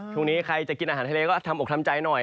ใครจะกินอาหารทะเลก็ทำอกทำใจหน่อย